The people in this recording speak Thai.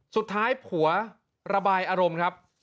สุดท้ายผัวระบายอารมณ์ครับ